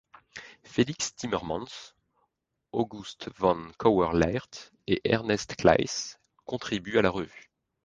Felix Timmermans, August van Cauwelaert et Ernest Claes contribuent à la revue.